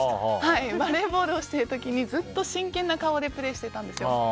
バレーボールをしてる時にずっと真剣な顔でプレーしてたんですよ。